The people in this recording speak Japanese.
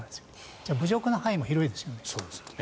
じゃあ、侮辱の範囲も広いですよね。